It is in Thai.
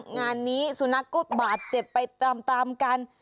งานนี้สุนัขก็บาดเจ็บไปตามกัน